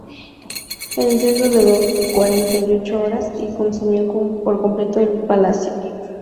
El incendio duró cuarenta y ocho horas y consumió por completo el palacio.